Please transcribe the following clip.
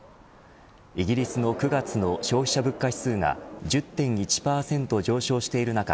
イギリスの９月の消費者物価指数が１０．１％上昇している中